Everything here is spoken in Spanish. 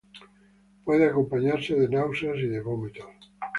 Puede acompañarse de náuseas y vómitos.